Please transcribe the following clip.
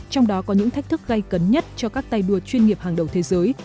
trong đó có những thách thức gây cấn nhất cho các tài đua chuyên nghiệp hàng đầu thế giới